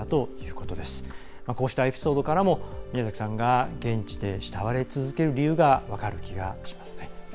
こうしたエピソードからも宮崎さんが現地で慕われ続ける理由が分かる気がしますね。